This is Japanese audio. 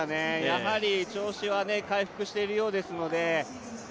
やはり、調子は回復しているようですので。